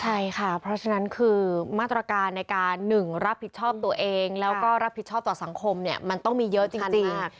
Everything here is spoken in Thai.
ใช่ค่ะเพราะฉะนั้นคือมาตรการในการ๑รับผิดชอบตัวเองแล้วก็รับผิดชอบต่อสังคมเนี่ยมันต้องมีเยอะจริง